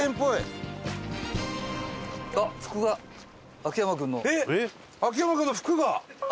秋山君の服が！